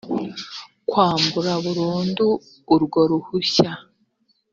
kwambura burundu urwo ruhushya